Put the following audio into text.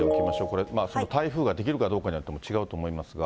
これ、台風が出来るかどうかによっても違うと思いますが。